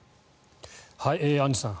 アンジュさん